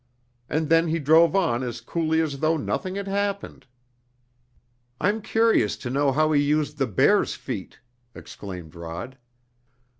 And then he drove on as coolly as though nothing had happened." "I'm curious to know how he used the bear's feet," exclaimed Rod.